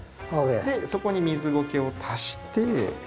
そこに水ゴケを足して。